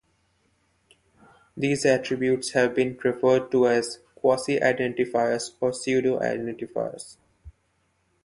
These attributes have been referred to as quasi-identifiers or pseudo-identifiers.